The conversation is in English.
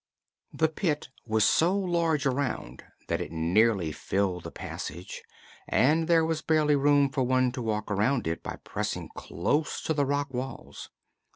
The pit was so large around that it nearly filled the passage and there was barely room for one to walk around it by pressing close to the rock walls.